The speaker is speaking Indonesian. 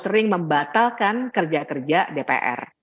sering membatalkan kerja kerja dpr